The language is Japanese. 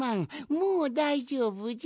もうだいじょうぶじゃ。